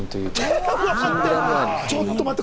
ちょっと待って！